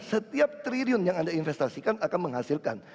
setiap triliun yang anda investasikan akan menghasilkan